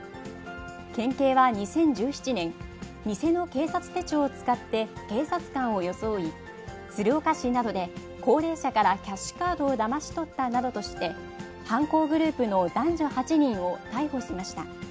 県警は２０１７人、偽の警察手帳を使って警察官を装い、鶴岡市などで高齢者からキャッシュカードをだまし取ったなどとして、犯行グループの男女８人を逮捕しました。